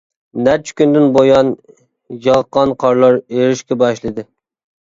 نەچچە كۈندىن بۇيان ياغقان قارلا ئېرىشكە باشلىدى.